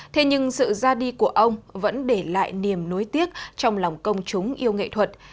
thế nhưng sự ra đi của ông vẫn để lại niềm nối tiếc trong lòng công chúng yêu nghệ thuật